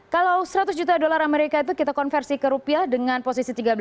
kalau seratus juta dolar amerika itu kita konversi ke rupiah dengan posisi tiga belas